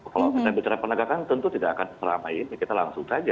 kalau kita bicara penegakan tentu tidak akan seramai ini kita langsung saja